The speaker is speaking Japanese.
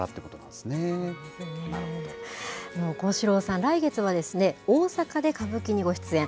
でも、幸四郎さん、来月は、大阪で歌舞伎にご出演。